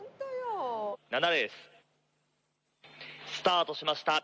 ７レーススタートしました。